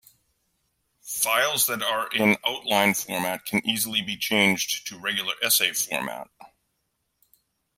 Files that are in outline format can easily be changed to regular essay format.